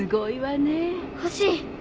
欲しい